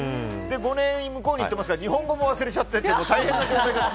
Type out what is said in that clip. ５年、向こうに行ってますから日本語も忘れちゃって大変。